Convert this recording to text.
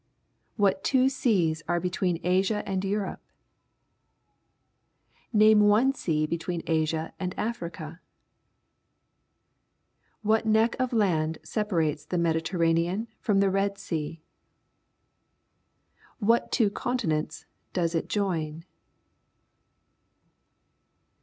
What two seas are between Asia and Europe ? Name one sea between Asia and Africa. What neck of land separates the Mediterranean from the Red Sea ? What two continents does it join